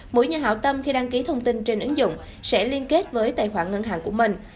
mỗi nhà hảo tâm khi đăng ký thông tin trên ứng dụng sẽ liên kết với tài khoản ngân hàng của mình